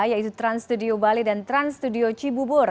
yaitu trans studio bali dan trans studio cibubur